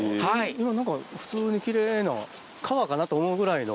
今何か普通に奇麗な川かなと思うぐらいの。